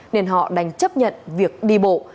nên họ đành chấp nhận việc đi bộ